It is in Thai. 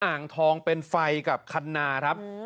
อ่างทองเป็นไฟกับคันนาครับ